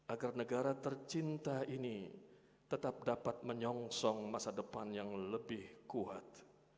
agar negara tercinta ini tetap dapat menyongsong masa depan yang lebih kuat